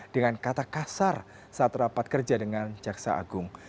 dengan kata kasar saat rapat kerja dengan jaksa agung